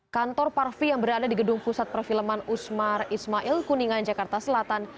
kantor parvi yang berada di gedung pusat perfilman usmar ismail kuningan jakarta selatan